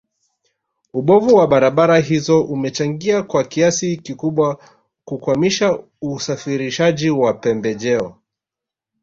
Ubovu wa barabara hizo umechangia kwa kiasi kikubwa kukwamisha usafirishaji wa pembejeo